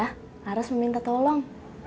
harus meminta tolong